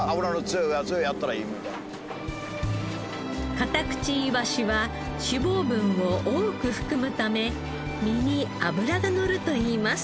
カタクチイワシは脂肪分を多く含むため身に脂がのるといいます。